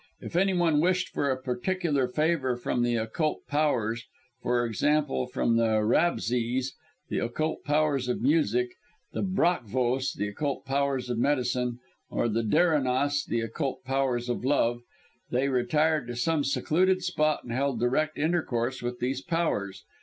If any one wished for a particular favour from the Occult Powers for example, from the Rabsés, the Occult Powers of music; the Brakvos, the Occult Powers of medicine; or the Derinas, the Occult Powers of love, they retired to some secluded spot and held direct intercourse with these Powers.